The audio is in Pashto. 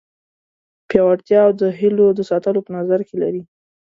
پیاوړتیا او د هیلو د ساتلو په نظر کې لري.